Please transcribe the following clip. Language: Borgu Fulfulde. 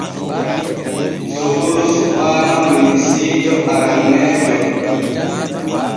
Soglo suɓaama minisiijo aranneejo.